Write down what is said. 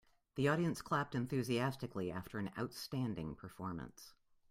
The audience clapped enthusiastically after an outstanding performance.